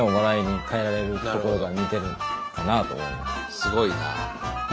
すごいな。